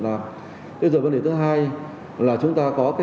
xác định chiến lược vaccine phải đi đường dài